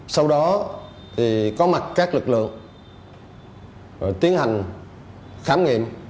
sau đó thì có mặt các lực lượng tiến hành khám nghiệm